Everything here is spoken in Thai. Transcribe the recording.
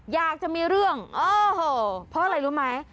อยากจะมีเรื่องโอ้โหเพราะอะไรรู้ไหม